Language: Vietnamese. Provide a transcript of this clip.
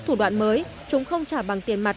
thủ đoạn mới chúng không trả bằng tiền mặt